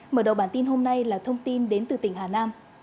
mở đầu bản tin hôm nay là thông tin đến từ tỉnh hà nam